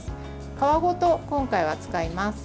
皮ごと今回は使います。